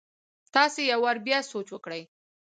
تاسي يو وار بيا سوچ وکړئ!